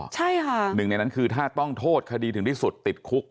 ใช่ค่ะหนึ่งในนั้นคือถ้าต้องโทษคดีถึงที่สุดติดคุก